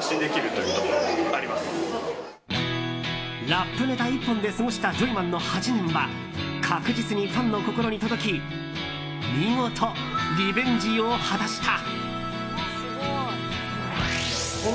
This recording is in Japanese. ラップネタ１本で過ごしたジョイマンの８年は確実にファンの心に届き見事、リベンジを果たした。